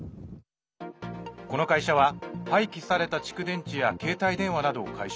この会社は、廃棄された蓄電池や携帯電話などを回収。